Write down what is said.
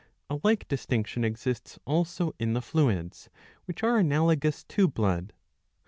A like distinction exists also in the fluids which are analogous to blood.